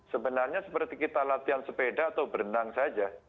sebenarnya seperti kita latihan sepeda atau berenang saja